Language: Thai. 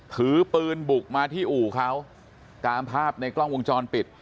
ถือปืนบุกมาที่อู่เขาตามภาพในกล้องวงจรปิด